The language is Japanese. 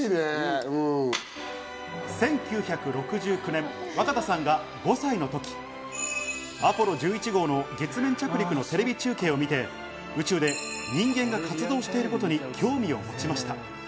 １９６９年、若田さんが５歳のとき、アポロ１１号の月面着陸のテレビ中継を見て、宇宙で人間が活動していることに興味を持ちました。